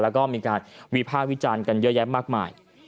แล้วก็มีการวิภาควิจารณ์กันเยอะแยะมากมาย